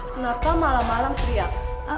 kenapa malam malam teriak